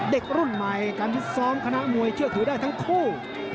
เด็กรุ่นใหม่การพิษซ้อมคณะมวยเชื่อถือได้ทั้งคู่